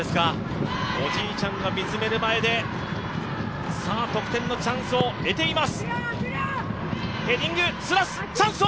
おじいちゃんが見つめる前で得点のチャンスを得ています。